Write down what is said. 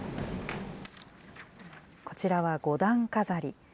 こちらは五段飾り。